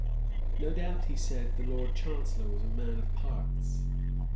No doubt, he said, the Lord Chancellor was a man of parts.